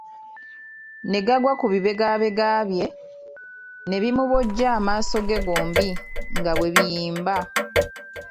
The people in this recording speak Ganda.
Ne gagwa ku bibegabega bye, ne bimubojja amaaso ge gombi nga bwe biyimba.